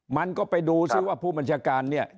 มันก็ไปดูซิว่าผู้บัญชาการเนี่ย